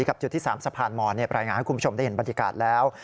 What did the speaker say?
จุดที่๓สะพานมอนรายงานให้คุณผู้ชมได้เห็นบรรยากาศแล้ว